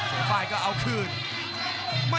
โอ้โหโอ้โห